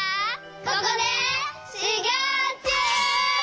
ここでしゅぎょうちゅう！